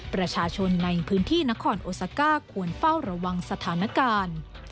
ประชาชนในพื้นที่นครโอซาก้าควรเฝ้าระวังสถานการณ์